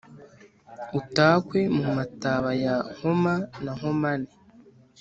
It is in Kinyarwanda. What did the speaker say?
utakwe mu mataba ya Nkoma na Nkomane.